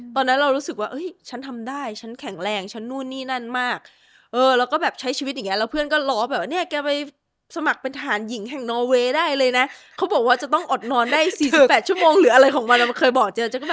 ตอนนั้นเรารู้สึกว่าฉันทำได้ฉันแข็งแรงฉันนู่นนี่นั่นมากแล้วก็แบบใช้ชีวิตอย่างเงี้แล้วเพื่อนก็ล้อแบบว่าเนี่ยแกไปสมัครเป็นทหารหญิงแห่งนอเวย์ได้เลยนะเขาบอกว่าจะต้องอดนอนได้๔๘ชั่วโมงหรืออะไรของมันเคยบอกเจอจัง